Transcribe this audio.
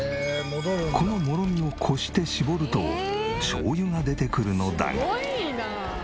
このもろみをこして搾るとしょうゆが出てくるのだが。